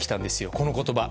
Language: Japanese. この言葉。